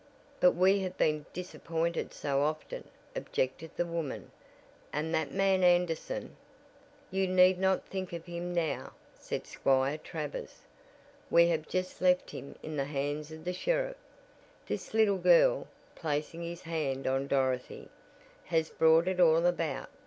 "But we have been disappointed so often," objected the woman, "and that man Anderson " "You need not think of him now," said Squire Travers. "We have just left him in the hands of the sheriff. This little girl," placing his hand on Dorothy, "has brought it all about.